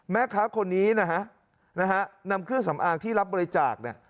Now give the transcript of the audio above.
แม่ค้าคนนี้นะฮะนำเครื่องสำอางที่รับบริจาคเนี่ย